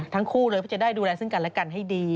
ทั้งคู่เลยเพื่อจะได้ดูแลซึ่งกันและกันให้ดี